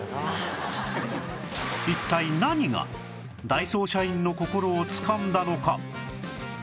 一体何がダイソー社員の心をつかんだのか？